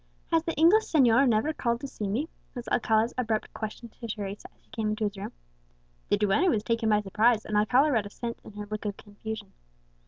"Has the English señor never called to see me?" was Alcala's abrupt question to Teresa as she came into his room. The duenna was taken by surprise, and Alcala read assent in her look of confusion.